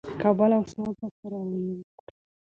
کابل او سوات به سره یو کړو.